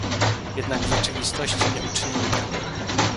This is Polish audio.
Jednak w rzeczywistości nie uczynimy tego